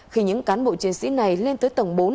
khi những cán bộ chiến sĩ này lên tới tầng bốn